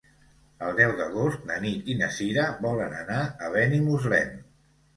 El deu d'agost na Nit i na Cira volen anar a Benimuslem.